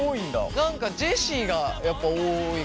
何かジェシーがやっぱ多いか。